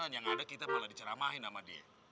yang ada kita boleh diceramahin sama dia